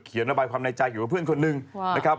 ระบายความในใจอยู่กับเพื่อนคนหนึ่งนะครับ